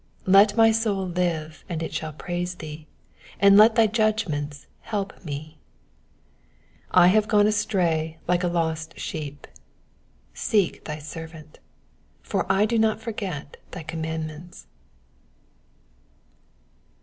175. Let my soul live, and it shall praise thee; and let thy judgments help me. 176 I have gone astray like a lost sheep ; seek thy servant ; for I do not forget thy commandments.